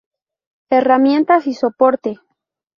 Herramientas y soporte.